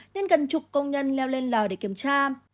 nên gần chục công nhân leo lên lò để kiểm tra